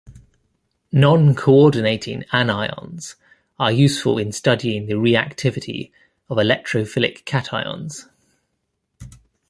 Non-coordinating anions are useful in studying the reactivity of electrophilic cations.